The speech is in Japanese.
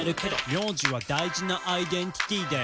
「名字は大事なアイデンティティだよ」